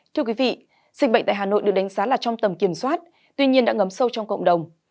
thưa quý vị dịch bệnh tại hà nội được đánh giá là trong tầm kiểm soát tuy nhiên đã ngấm sâu trong cộng đồng